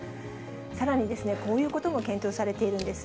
さらにですね、こういうことも検討されているんです。